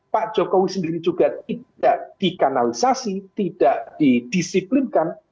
pak jokowi sendiri juga tidak dikanalisasi tidak didisiplinkan